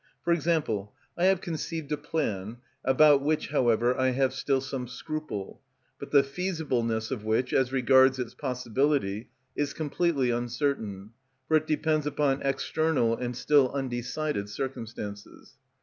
For example, I have conceived a plan, about which, however, I have still some scruple, but the feasibleness of which, as regards its possibility, is completely uncertain, for it depends upon external and still undecided circumstances.